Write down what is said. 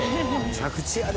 「着地やで！」